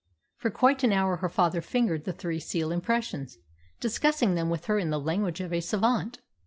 For quite an hour her father fingered the three seal impressions, discussing them with her in the language of a savant.